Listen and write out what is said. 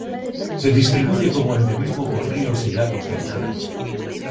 Se distribuye como endemismo por ríos y lagos de Australia.